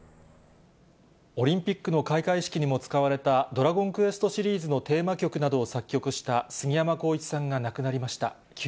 オリンピックの開会式にも使われた、ドラゴンクエストシリーズのテーマ曲などを作曲した、すぎやまこういちさんが亡くなりました。